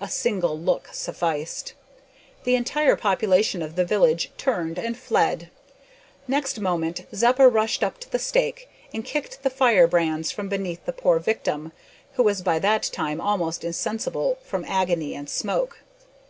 A single look sufficed. The entire population of the village turned and fled! Next moment Zeppa rushed up to the stake, and kicked the fire brands from beneath the poor victim, who was by that time almost insensible from agony and smoke.